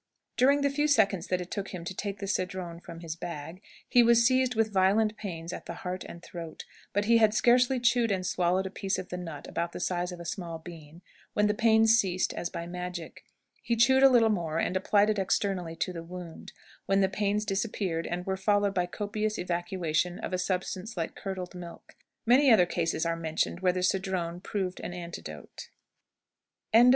During the few seconds that it took him to take the cedron from his bag, he was seized with violent pains at the heart and throat; but he had scarcely chewed and swallowed a piece of the nut about the size of a small bean, when the pains ceased as by magic. He chewed a little more, and applied it externally to the wound, when the pains disappeared, and were followed by a copious evacuation of a substance like curdled milk. Many other cases are mentioned where the cedron proved an antidote. CHAPTER V. Bivouacs.